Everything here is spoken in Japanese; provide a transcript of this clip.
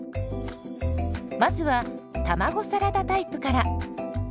まずは卵サラダタイプから。